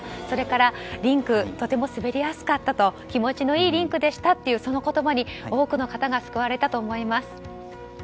それからリンクとても滑りやすかった気持ちのいいリンクでしたというその言葉に多くの方が救われたと思います。